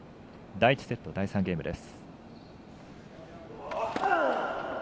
第１セット、第３ゲームです。